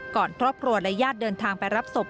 ครอบครัวและญาติเดินทางไปรับศพ